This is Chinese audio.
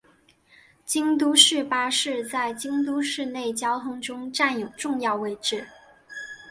京都市巴士在京都市内交通中占有重要位置。